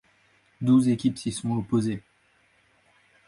Douze équipes s'y sont opposées.